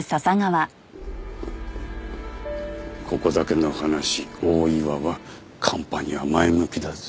ここだけの話大岩はカンパには前向きだぞ。